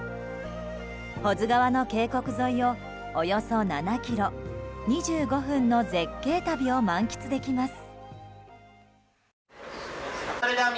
保津川の渓谷沿いをおよそ７ｋｍ２５分の絶景旅を満喫できます。